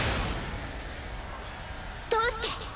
どうして？